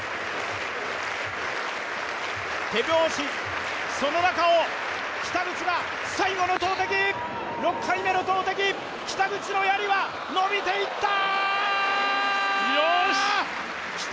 手拍子、その中を北口が最後の投てき、６回目の投てき、北口のやりは、伸びていった！